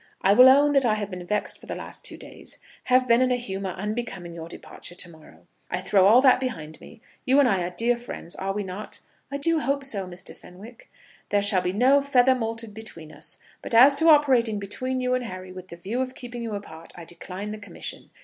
I will own that I have been vexed for the last two days, have been in a humour unbecoming your departure to morrow. I throw all that behind me. You and I are dear friends, are we not?" "I do hope so, Mr. Fenwick?" "There shall be no feather moulted between us. But as to operating between you and Harry, with the view of keeping you apart, I decline the commission.